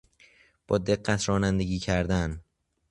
با دقت رانندگی کردن